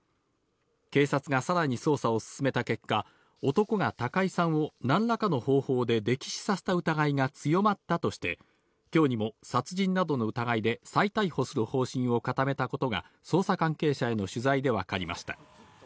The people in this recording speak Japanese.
警察がさらに捜査を進めた結果、男が高井さんを何らかの方法で溺死させた疑いが強まったとして、今日にも殺人などの疑いで再逮捕する方針を固めたことが捜査関係者への取材でわかりました。